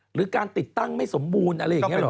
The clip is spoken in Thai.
หรือการติดตั้งไม่สมบูรณ์อะไรอย่างนี้หรอ